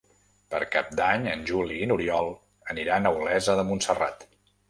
Per Cap d'Any en Juli i n'Oriol aniran a Olesa de Montserrat.